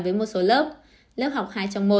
với một số lớp lớp học hai trong một